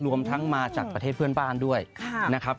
รวมทั้งมาจากประเทศเพื่อนบ้านด้วยนะครับ